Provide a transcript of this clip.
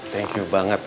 thank you banyak